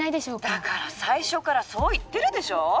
だから最初からそう言ってるでしょ！